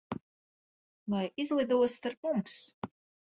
Lai izlido starp mums.